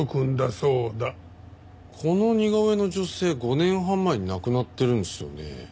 この似顔絵の女性５年半前に亡くなってるんですよね？